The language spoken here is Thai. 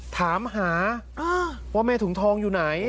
ถามหาว่าแม่ถุงทองอยู่ไหน